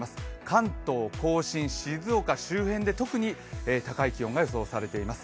関東甲信、静岡周辺で特に高い気温が予想されています。